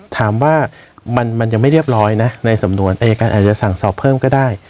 ถามว่ามันยังไม่เรียบร้อยนะในสำนวนอายการอาจจะสั่งสอบเพิ่มก็ได้